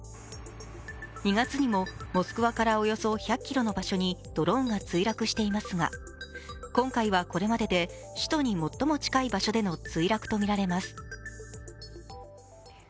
２月にもモスクワからおよそ１００ｋｍの場所にドローンが墜落していますが今回はこれまでで首都に最も近い場所での墜落とみられます。